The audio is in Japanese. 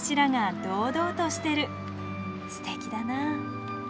すてきだな。